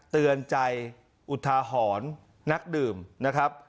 เตือนใจอุทาหรณ์นักดื่มนะครับ